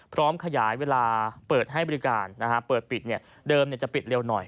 พร้อมขยายเวลาเปิดให้บริการนะฮะเปิดปิดเนี่ยเดิมจะปิดเร็วหน่อย